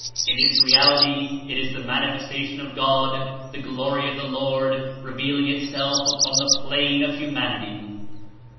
In its reality, it Is the Manifestation of God, the Glory of the Lord revealing itself upon the plane of humanity.